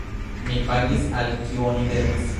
Mi pagis, al kiu oni devis.